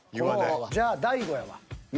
じゃあ大悟やわ。